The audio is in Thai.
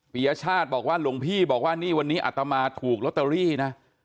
ปียชาติบอกว่าหลวงพี่บอกว่านี่วันนี้อัตมาถูกลอตเตอรี่นะ